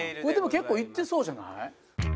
これでも結構いってそうじゃない？